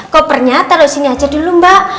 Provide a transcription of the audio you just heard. kopernya taruh sini aja dulu mbak